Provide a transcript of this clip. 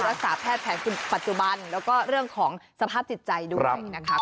รักษาแพทย์แผนปัจจุบันแล้วก็เรื่องของสภาพจิตใจด้วยนะคะ